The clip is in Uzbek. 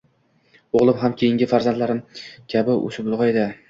O`g`lim ham keyingi farzandlarim kabi o`sib-ulg`aydi